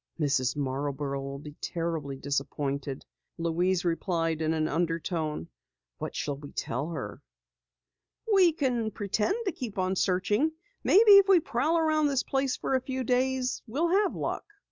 "Mrs. Marborough will be terribly disappointed," Louise replied in an undertone. "What shall we tell her?" "We can pretend to keep on searching. Maybe if we prowl about this place for a few days, we'll have luck."